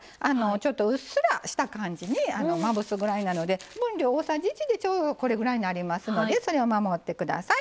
ちょっとうっすらした感じにまぶすぐらいなので分量大さじ１でちょうどこれぐらいになりますのでそれを守って下さい。